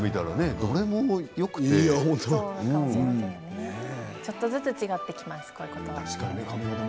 どれもよくちょっとずつ違っています。